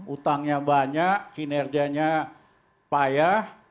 utangnya banyak kinerjanya payah